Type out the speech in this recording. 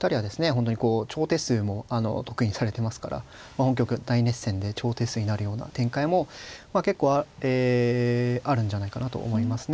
本当にこう長手数も得意にされてますから本局大熱戦で長手数になるような展開も結構あるんじゃないかなと思いますね。